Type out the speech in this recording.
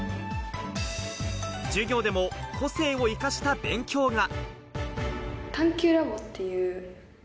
授業でも個性を生かした勉強が。